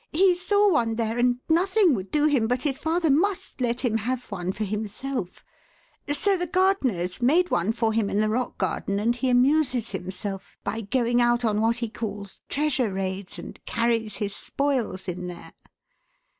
He saw one there and nothing would do him but his father must let him have one for himself; so the gardeners made one for him in the rock garden and he amuses himself by going out on what he calls 'treasure raids' and carries his spoils in there."